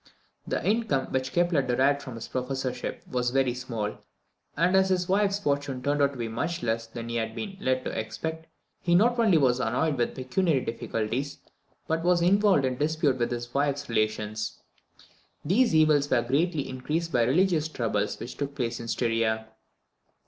The income which Kepler derived from his professorship was very small, and as his wife's fortune turned out much less than he had been led to expect, he not only was annoyed with pecuniary difficulties, but was involved in disputes with his wife's relations. These evils were greatly increased by the religious troubles which took place in Styria.